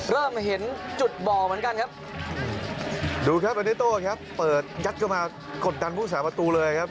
เริ่มเห็นจุดบ่อเหมือนกันครับดูครับโอเดโต้ครับเปิดยัดเข้ามากดดันผู้สาประตูเลยครับ